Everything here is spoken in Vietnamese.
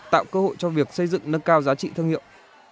tạo cơ hội cho việc xây dựng nâng cao giá trị thương hiệu